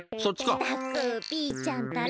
ったくピーちゃんったら！